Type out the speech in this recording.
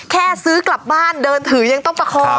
แค่ซื้อกลับบ้านเดินถือยังต้องประคอง